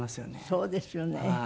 そうですよね。